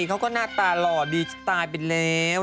เขาก็หน้าตาหล่อดีจะตายไปแล้ว